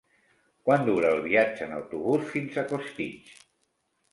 Quant dura el viatge en autobús fins a Costitx?